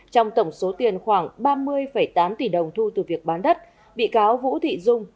trong tổng số tiền khoảng ba mươi tám tỷ đồng thu từ việc bán đất bị cáo vũ thị dung